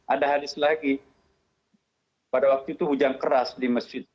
ada hadis lagi pada waktu itu hujan keras di masjid